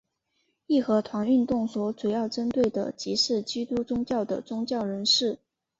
义和团运动所主要针对的即是基督宗教的宗教人士。